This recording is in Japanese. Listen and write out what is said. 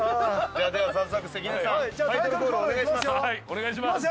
お願いします。